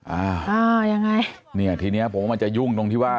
อ่าอ่ายังไงเนี่ยทีเนี้ยผมว่ามันจะยุ่งตรงที่ว่า